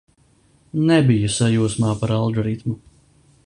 Nebiju sajūsmā par algoritmu.